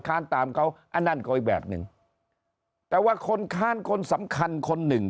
ค้านตามเขาอันนั้นก็อีกแบบหนึ่งแต่ว่าคนค้านคนสำคัญคนหนึ่ง